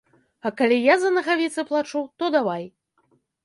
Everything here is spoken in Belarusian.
А калі я за нагавіцы плачу, то давай.